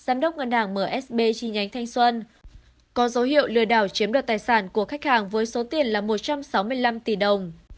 giám đốc ngân hàng msb chi nhánh thanh xuân có dấu hiệu lừa đảo chiếm đoạt tài sản của khách hàng với số tiền là một trăm sáu mươi năm tỷ đồng